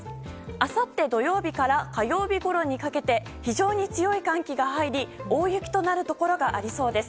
あさって土曜日から火曜日ごろにかけて非常に強い寒気が入り大雪となるところがありそうです。